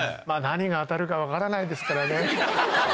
まぁ何が当たるか分からないですからね。